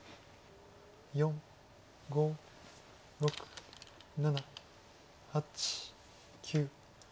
４５６７８９。